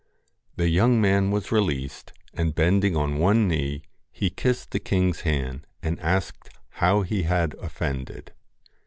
The young man was released, and bending on one knee, he kissed the king's hand, and asked how he had offended.